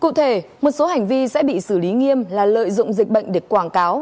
cụ thể một số hành vi sẽ bị xử lý nghiêm là lợi dụng dịch bệnh để quảng cáo